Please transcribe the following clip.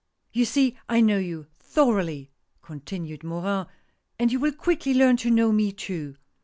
." You see I know you, thoroughly !" continued Morin, " and you will quickly learn to know me too.